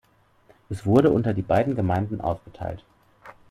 Es wurde unter die beiden Gemeinden aufgeteilt.